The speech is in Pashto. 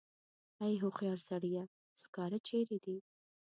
ای هوښیار سړیه سکاره چېرې دي.